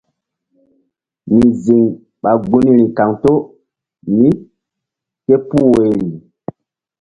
Mi ziŋ ɓa gunri kaŋto mí ké puh woirii.